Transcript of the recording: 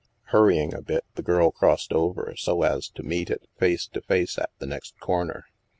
Hurrying a bit, the girl crossed over so as to meet it face to face at the next corner.